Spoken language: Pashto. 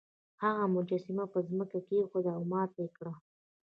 هغه مجسمه په ځمکه کیښوده او ماته یې کړه.